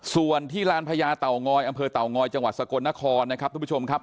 ส่วนที่ลานพญาเต่างอยอำเภอเต่างอยจังหวัดสกลนครนะครับทุกผู้ชมครับ